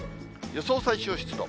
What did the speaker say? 予想最小湿度。